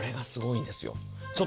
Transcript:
これがすごいんですよ。